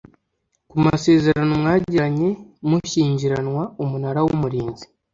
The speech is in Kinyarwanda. Ku masezerano mwagiranye mushyingiranwa umunara w umurinzi